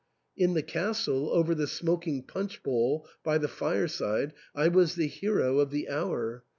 In the castle, over the smoking punch bowl, by the fireside, I was the hero of the hour.